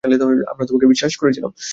আমরা তোমাকে বিশ্বাস করেছিলাম।